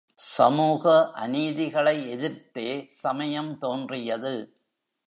சமூக அநீதிகளை எதிர்த்தே சமயம் தோன்றியது.